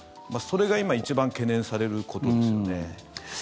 それが今一番懸念されることですよね。